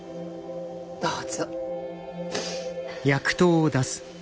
どうぞ。